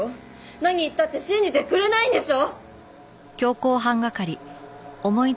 何言ったって信じてくれないんでしょ！？